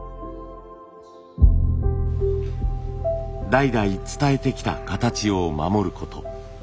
代々伝えてきた形を守ること。